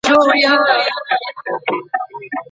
ښوونځی د فرهنګ د لیږدولو دنده لري.